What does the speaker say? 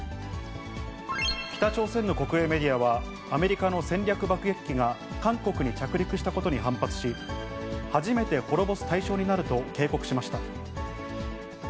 北朝鮮の国営メディアは、アメリカの戦略爆撃機が韓国に着陸したことに反発し、初めて滅ぼす対象になると警告しました。